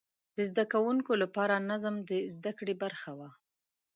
د زده کوونکو لپاره نظم د زده کړې برخه وه.